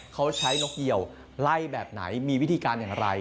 เขาใช้นกเหี่ยวไล่แบบไหนมีวิธีการอย่างไร